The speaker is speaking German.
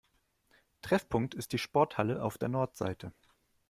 Treffpunkt ist die Sporthalle auf der Nordseite.